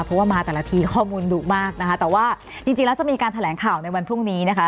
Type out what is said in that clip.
เพราะว่ามาแต่ละทีข้อมูลดุมากนะคะแต่ว่าจริงแล้วจะมีการแถลงข่าวในวันพรุ่งนี้นะคะ